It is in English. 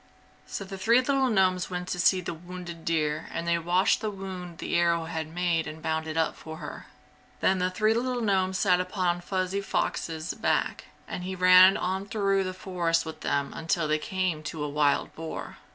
So the three little gnomes went to see the wounded deer and they washed the wound the arrow had made and bound it up for her. Then the three little gnomes sat upon Fuzzy Fox's back and he ran on through the forest with them until they came to a wild boar.